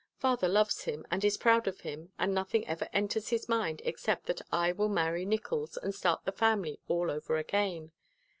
Father loves him and is proud of him and nothing ever enters his mind except that I will marry Nickols and start the family all over again.